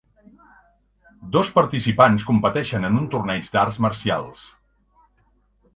Dos participants competeixen en un torneig d'arts marcials.